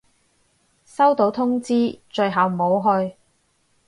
收到通知，最後冇去